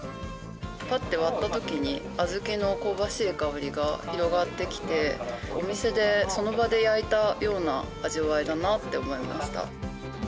パッて割った時にあずきの香ばしい香りが広がってきてお店でその場で焼いたような味わいだなって思いました。